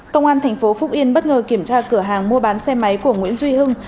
công an tp phúc yên bất ngờ kiểm tra cửa hàng mua bán xe máy của nguyễn duy hưng